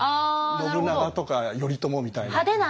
信長とか頼朝みたいな。